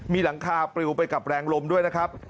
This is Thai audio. มีหลังคาปลิวไปกับแรงลมด้วยนะครับ